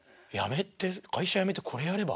「会社辞めてこれやれば？」